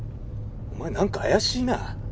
お前何か怪しいな？